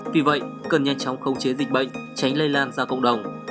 vì vậy cần nhanh chóng khống chế dịch bệnh tránh lây lan ra cộng đồng